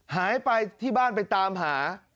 หายไปที่บ้านไปตามหา